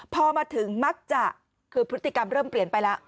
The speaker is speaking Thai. พอมาถึงมักจะคือพฤติกรรมเริ่มเปลี่ยนไปแล้ว